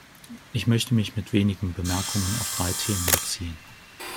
Ich möchte mich mit wenigen Bemerkungen auf drei Themen beziehen.